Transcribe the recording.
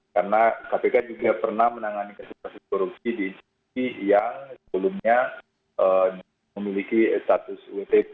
karena kpk juga pernah menangani kasus korupsi di institusi yang sebelumnya memiliki status wtp